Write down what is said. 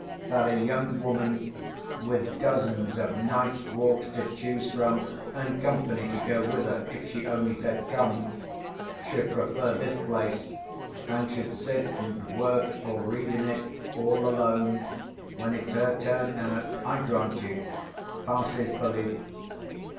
That a young woman, with dozens of nice walks to choose from, and company to go with her, if she only said "Come!", should prefer this place, and should sit and work or read in it, all alone, when it's her turn out, I grant you, passes belief.